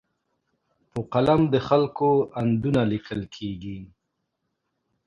په قلم د خلکو اندونه لیکل کېږي.